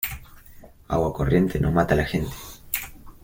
Agua corriente no mata a la gente.